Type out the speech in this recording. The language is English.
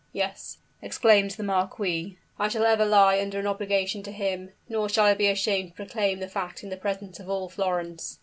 "Yes," exclaimed the marquis, "I shall ever lie under an obligation to him; nor shall I be ashamed to proclaim the fact in the presence of all Florence."